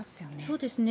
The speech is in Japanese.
そうですね。